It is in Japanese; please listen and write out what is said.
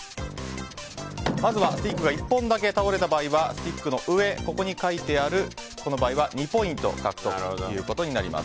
まずはスティックが１本だけ倒れた場合はスティックの上に書いてあるこの場合は２ポイントとなります。